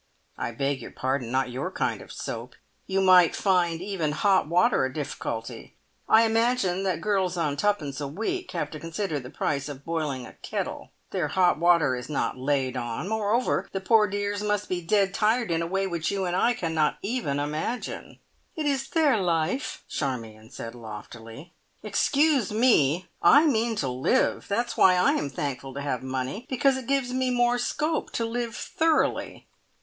"I beg your pardon! Not your kind of soap. You might find even hot water a difficulty. I imagine that girls on twopence a week have to consider the price of boiling a kettle. Their hot water is not `laid on'. Moreover, the poor dears must be `dead tired,' in a way which you and I cannot even imagine." "It is their life," Charmion said loftily. "Excuse me I mean to live! That's why I am thankful to have money, because it gives me more scope to live thoroughly."